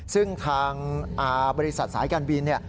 ซึ่งทางบริษัทสายการบิน